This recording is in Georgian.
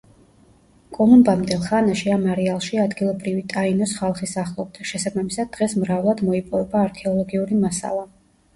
კოლუმბამდელ ხანაში ამ არეალში ადგილობრივი ტაინოს ხალხი სახლობდა, შესაბამისად, დღეს მრავლად მოიპოვება არქეოლოგიური მასალა.